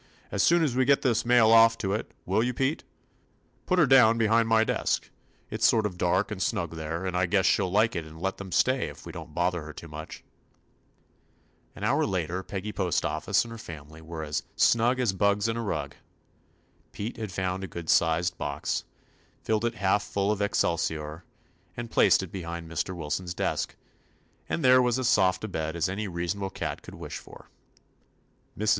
As soon as we get this mail off see to it, 24 TOMMY POSTOFFICE will you, Pete^ Put her down be hind my desk; it's sort of dark and snug there, and I guess she '11 like it and let them stay if we don't bother her too much." An hour later Peggy Postoffice and her family were as "snug as bugs in a rug." Pete had found a good sized box, filled it half full of excelsior, and placed it behind Mr. Wilson's desk, and there was as soft a bed as any reasonable cat could wish for. Mrs.